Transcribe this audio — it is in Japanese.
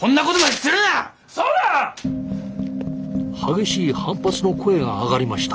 激しい反発の声が上がりました。